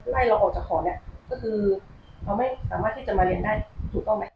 ไล่เราออกจากหอเนี่ยก็คือเราไม่สามารถที่จะมาเรียนได้ถูกต้องไหม